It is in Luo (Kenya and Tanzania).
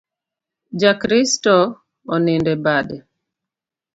Ja Kristo onindo e bade